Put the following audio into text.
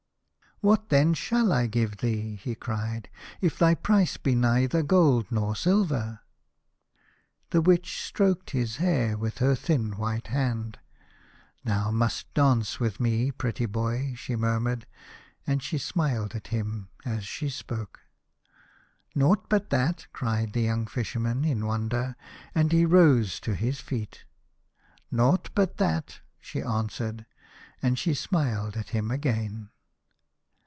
" What then shall I give thee," he cried, " if thy price be neither gold nor silver ?" The Witch stroked his hair with her thin white hand. "Thou must dance with me, pretty boy," she murmured, and she smiled at him as she spoke. " Nought but that?" cried the young Fisher man in wonder, and he rose to his feet. " Nought but that," she answered, and she smiled at him again.